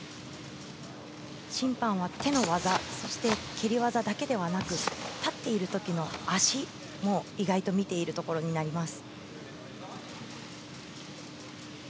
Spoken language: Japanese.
審判は、手の技そして蹴り技だけではなく立っている時の足も意外と見ているところになります。